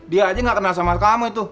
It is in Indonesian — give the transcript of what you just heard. dia aja gak kenal sama kamu itu